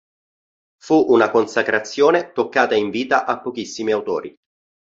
Fu una consacrazione toccata in vita a pochissimi autori.